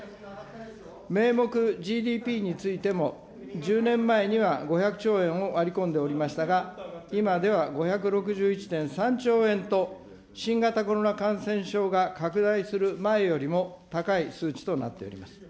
名目ＧＤＰについても、１０年前には５００兆円を割り込んでおりましたが、今では５６１．３兆円と、新型コロナ感染症が拡大する前よりも高い数値となっております。